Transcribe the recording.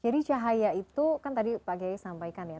jadi cahaya itu kan tadi pak gaya sampaikan ya